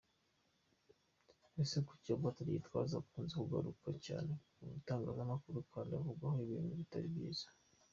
Ese kuki Apotre Gitwaza akunze kugaruka cyane mu Itangazamakuru kandi avugwaho ibintu bitari byiza ?